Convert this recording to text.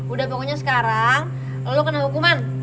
udah pokoknya sekarang lalu kena hukuman